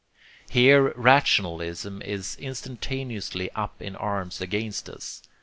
Here rationalism is instantaneously up in arms against us.